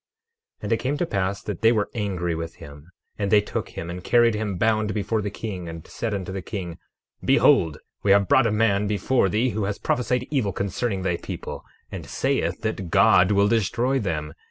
12:9 And it came to pass that they were angry with him; and they took him and carried him bound before the king, and said unto the king: Behold, we have brought a man before thee who has prophesied evil concerning thy people, and saith that God will destroy them.